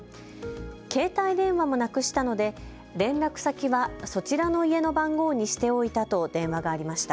携帯電話もなくしたので連絡先はそちらの家の番号にしておいたと電話がありました。